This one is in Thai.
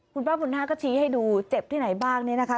คุณป้าบุญนาก็ชี้ให้ดูเจ็บที่ไหนบ้างเนี่ยนะคะ